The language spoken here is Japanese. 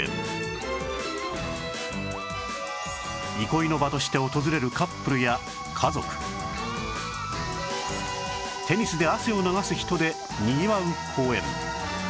憩いの場として訪れるカップルや家族テニスで汗を流す人でにぎわう公園